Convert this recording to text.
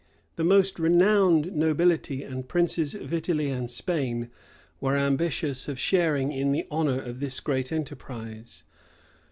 The most renowned nobility and princes of Italy and Spain were ambitious of sharing in the honor of this great enterprise.